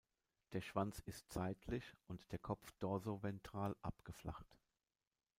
Der Schwanz ist seitlich und der Kopf dorsoventral abgeflacht.